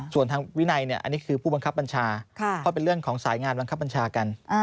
ส่วนทางวินัยอันนี้คือผู้บังคับบัญชาเพราะเป็นเรื่องของสายงานบังคับบัญชากัน